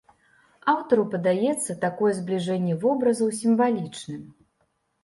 Аўтару падаецца такое збліжэнне вобразаў сімвалічным.